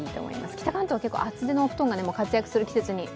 北関東は結構厚手のお布団が活躍する季節に。